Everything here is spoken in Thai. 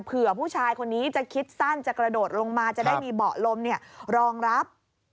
เผื่อผู้ชายคนนี้จะคิดสั้นจะกระโดดลงมาจะได้มีเบาะลมรองรับ